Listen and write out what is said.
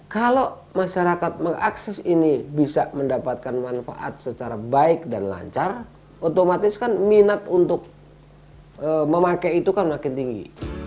kalau masyarakat mengakses ini bisa mendapatkan manfaat secara baik dan lancar otomatis kan minat untuk memakai itu kan makin tinggi